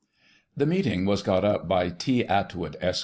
[1838 The meeting was got up by T. Atwood, Esq.